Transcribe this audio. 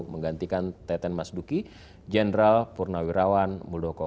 menggantikan teten mas duki jenderal purnawirawan muldoko